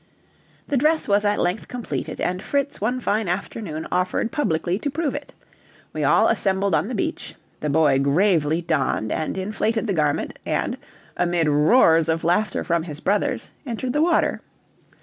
The dress was at length completed, and Fritz one fine afternoon offered publicly to prove it. We all assembled on the beach, the boy gravely donned and inflated the garment, and, amid roars of laughter from his brothers, entered the water.